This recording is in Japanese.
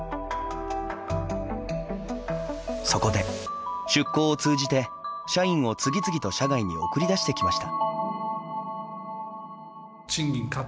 そこで出向を通じて社員を次々と社外に送り出してきました。